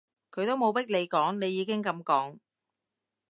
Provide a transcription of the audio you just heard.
佢都冇逼你講，你已經噉講